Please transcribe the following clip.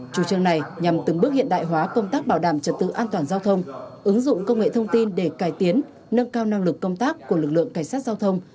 chủ trương này nhằm từng bước hiện đại hóa công tác bảo đảm trật tự an toàn giao thông ứng dụng công nghệ thông tin để cải tiến nâng cao năng lực công tác của lực lượng cảnh sát giao thông